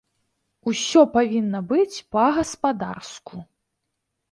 Усё павінна быць па-гаспадарску.